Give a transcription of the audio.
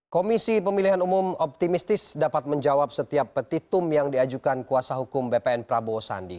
komisi pemilihan umum optimistis dapat menjawab setiap petitum yang diajukan kuasa hukum bpn prabowo sandi